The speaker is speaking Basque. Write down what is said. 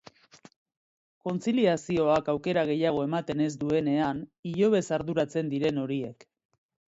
Kontziliazioak aukera gehiago ematen ez duenean, ilobez arduratzen diren horiek.